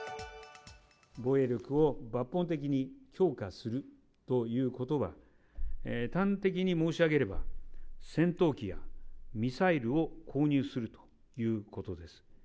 防衛力を抜本的に強化するということは、端的に申し上げれば、戦闘機やミサイルを購入するということです。